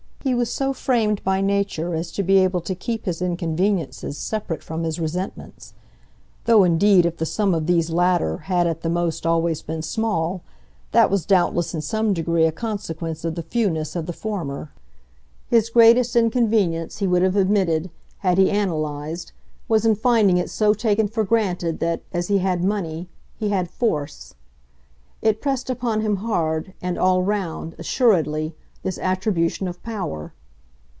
He was so framed by nature as to be able to keep his inconveniences separate from his resentments; though indeed if the sum of these latter had at the most always been small, that was doubtless in some degree a consequence of the fewness of the former. His greatest inconvenience, he would have admitted, had he analyzed, was in finding it so taken for granted that, as he had money, he had force. It pressed upon him hard, and all round, assuredly, this attribution of power.